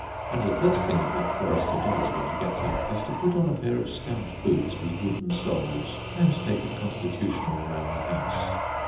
And the first thing the Black Forester does when he gets up is to put on a pair of stout boots with wooden soles, and take a constitutional round the house.